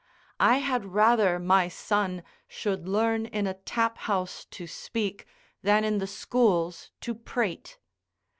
I had rather my son should learn in a tap house to speak, than in the schools to prate.